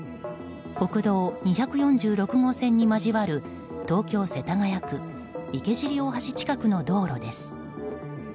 国道２４６号線に交わる東京・世田谷区池尻大橋近くの道路です。